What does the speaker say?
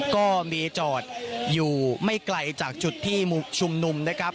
ก็มีจอดอยู่ไม่ไกลจากจุดที่ชุมนุมนะครับ